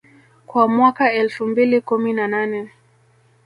kwa mwaka elfu mbili kumi na nane